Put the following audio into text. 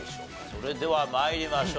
それでは参りましょう。